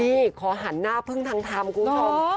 นี่ขอหันหน้าพึ่งทางทำคุณผู้ชม